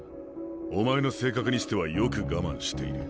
お前の性格にしてはよく我慢している。